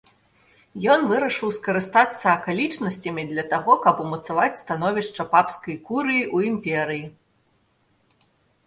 Ён вырашыў скарыстацца акалічнасцямі для таго, каб умацаваць становішча папскай курыі ў імперыі.